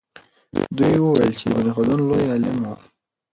دوی وویل چې ابن خلدون لوی عالم و.